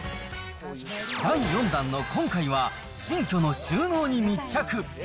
第４弾の今回は、新居の収納に密着。